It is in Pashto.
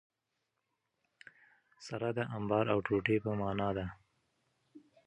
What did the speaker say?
سره د انبار او ټوټي په مانا ده.